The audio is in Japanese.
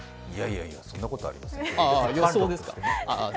いやいや、そんなことありません。